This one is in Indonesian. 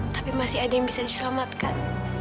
tapi masih ada yang bisa diselamatkan